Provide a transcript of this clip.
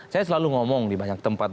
saya selalu ngomong di banyak tempat